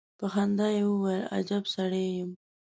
په خندا يې وويل: اجب سړی يم.